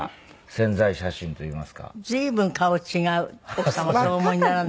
奥様もそうお思いにならない？